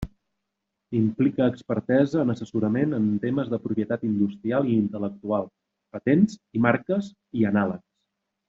Implica expertesa en assessorament en temes de propietat industrial i intel·lectual, patents i marques, i anàlegs.